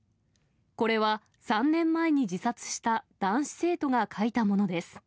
これは、３年前に自殺した男子生徒が書いたものです。